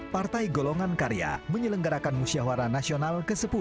partai golongan karya menyelenggarakan musyawara nasional ke sepuluh